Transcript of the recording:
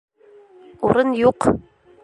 Урын юҡ!